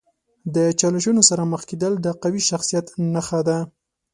د چالشونو سره مخ کیدل د قوي شخصیت نښه ده.